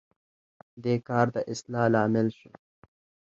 دې کار د اصلاح لامل شو.